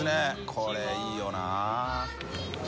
これいいよな。